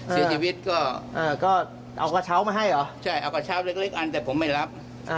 เสียชีวิตก็เอากระเช้ามาให้เหรอใช่เอากระเช้าเล็กอันแต่ผมไม่รับ